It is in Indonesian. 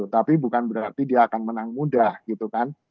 tapi bukan berarti dia akan menang mudah gitu kan